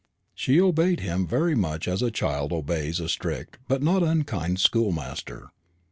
She obeyed him very much as a child obeys a strict but not unkind schoolmaster.